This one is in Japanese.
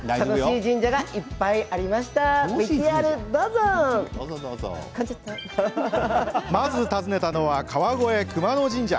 さあ、まず訪ねたのは川越熊野神社。